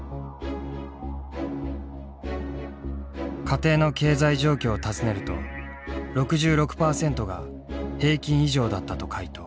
家庭の経済状況を尋ねると６６％が「平均以上だった」と回答。